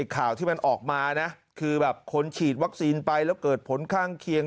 ข่าวที่มันออกมานะคือแบบคนฉีดวัคซีนไปแล้วเกิดผลข้างเคียง